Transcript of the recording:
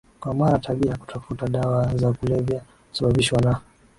kwa maraTabia ya kutafuta dawa za kulevya husababishwa na